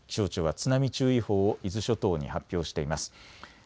気象庁は津波注意報を伊豆諸島に発表しています。